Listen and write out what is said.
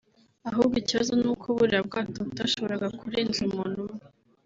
ahubwo ikibazo ni uko buriya bwato butashoboraga kurenza umuntu umwe